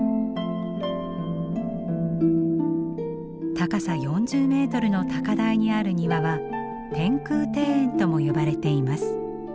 高さ４０メートルの高台にある庭は天空庭園とも呼ばれています。